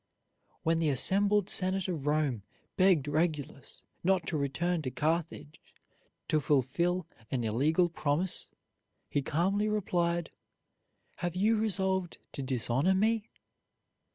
When the assembled senate of Rome begged Regulus not to return to Carthage to fulfil an illegal promise, he calmly replied: "Have you resolved to dishonor me?